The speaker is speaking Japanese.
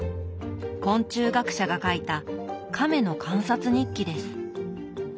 昆虫学者が書いたカメの観察日記です。